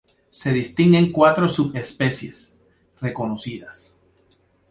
Se distinguen cuatro subespecies reconocidas.